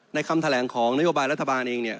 ในคำแถลงของนโยบายรัฐบาลเอง